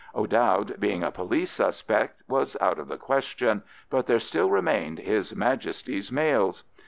O'Dowd, being a police suspect, was out of the question, but there still remained His Majesty's mails.